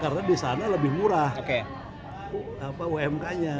karena di sana lebih murah umk nya